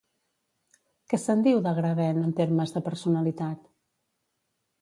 Què se'n diu d'Agravain en termes de personalitat?